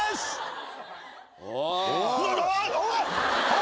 あ！